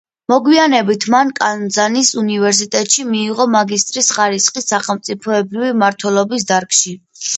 მოგვიანებით მან კანზასის უნივერსიტეტში მიიღო მაგისტრის ხარისხი სახელმწიფოებრივი მმართველობის დარგში.